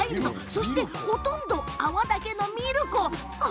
そして、ほとんど泡だけのミルコ！